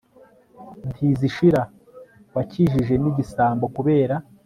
ntizishira, wakijije n'igisambo, kubera